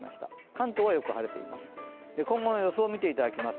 関東はよく晴れています。